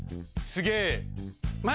すげえ！